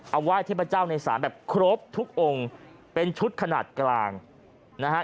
เอาไหว้เทพเจ้าในศาลแบบครบทุกองค์เป็นชุดขนาดกลางนะฮะ